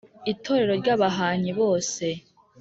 itorero rya bahanyi bose